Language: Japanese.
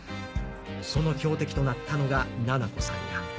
その標的となったのがななこさんや。